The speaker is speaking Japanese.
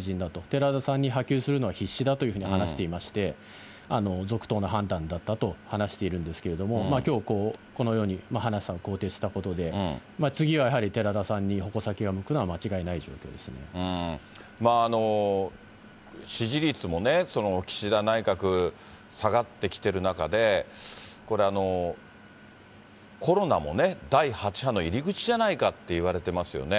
寺田さんに波及するのは必至だというふうに話していまして、続投の判断だったと話しているんですけれども、きょう、このように葉梨さんを更迭したことで、次はやはり寺田さんに矛先支持率もね、岸田内閣下がってきてる中で、これ、コロナもね、第８波の入り口じゃないかっていわれていますよね。